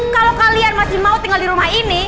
kalau kalian masih mau tinggal di rumah ini